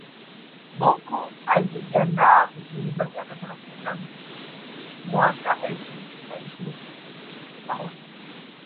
Bocco anayejiandaa kutimiza miaka thelathini na mbili mwaka elfu mbili na ishirini na moja